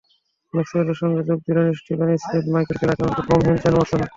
ম্যাক্সওয়েলের সঙ্গে যোগ দিলেন স্টিভেন স্মিথ, মাইকেল ক্লার্ক এমনকি ফর্মহীন শেন ওয়াটসনও।